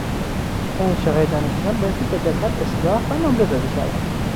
انشاهای دانشجویان بایستی به دقت اصلاح و نمره داده شود.